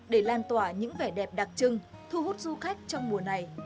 để lan tỏa những vẻ đẹp đặc trưng thu hút du khách trong mùa này